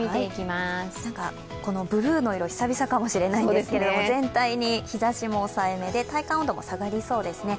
なんか、ブルーの色久々かもしれないんですけども全体に日ざしも抑えめで体感温度も下がりそうですね。